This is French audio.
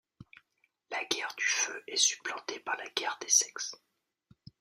La guerre du feu est supplantée par la guerre des sexes.